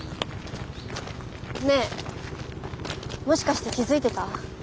ねえもしかして気付いてた？